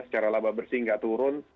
secara laba bersih nggak turun